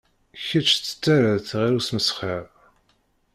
Kečč tettaraḍ-tt ɣer usmesxer.